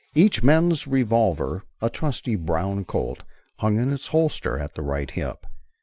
Each man's revolver, a trusty brown Colt, hung in its holster at the right hip.